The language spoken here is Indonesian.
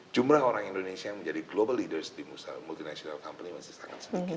jumlah orang indonesia yang menjadi global leaders di multinational company masih sangat sedikit